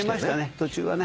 途中はね。